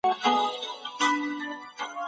په ګرځېدو کې طبیعت ته زیان نه رسول کېږي.